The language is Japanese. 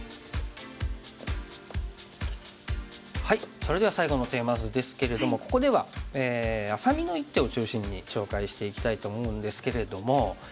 それでは最後のテーマ図ですけれどもここではあさみの一手を中心に紹介していきたいと思うんですけれども。